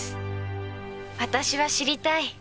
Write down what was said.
私は知りたい。